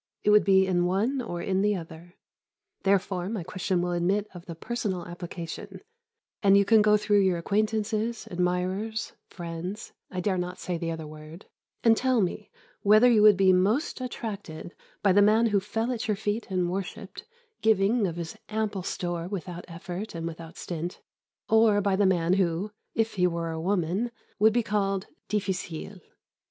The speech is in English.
It would be in one or in the other. Therefore my question will admit of the personal application, and you can go through your acquaintances, admirers, friends (I dare not say the other word), and tell me whether you would be most attracted by the man who fell at your feet and worshipped, giving of his ample store without effort and without stint, or by the man who, if he were a woman, would be called difficile.